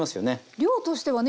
量としてはね